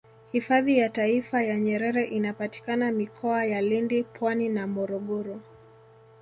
hifadhi ya taifa ya nyerere inapatikana mikoa ya lindi pwani na morogoro